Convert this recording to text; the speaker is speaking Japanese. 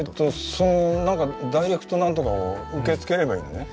そのダイレクトなんとかを受け付ければいいのね？